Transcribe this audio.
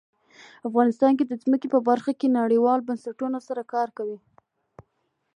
افغانستان د ځمکه په برخه کې له نړیوالو بنسټونو سره کار کوي.